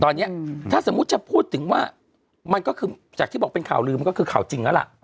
ตอนนี้ถ้าสมมุติจะพูดถึงว่ามันก็คือจากที่บอกเป็นข่าวลือมันก็คือข่าวจริงแล้วล่ะ